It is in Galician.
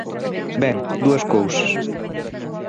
Ben, dúas cousas.